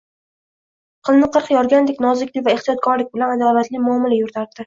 qilni qirq yorgandek noziklik va ehtiyotkorlik bilan adolatli muomala yuritardi.